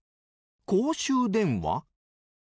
公衆電話？